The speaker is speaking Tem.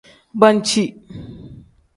Banci.